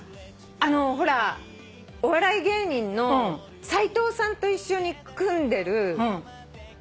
あのうほらお笑い芸人の斎藤さんと一緒に組んでる人。